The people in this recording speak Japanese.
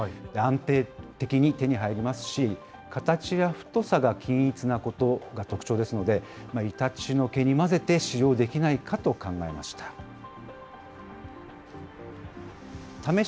安定的に手に入りますし、形や太さが均一なことが特徴ですので、イタチの毛に混ぜて使用できないかと考えました。